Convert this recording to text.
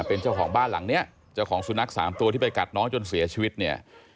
เป็นเจ้าของบ้านหลังเนี้ยเจ้าของสุนัขสามตัวที่ไปกัดน้องจนเสียชีวิตเนี่ย